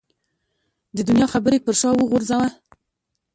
د دنیا خبرې پر شا وغورځوه.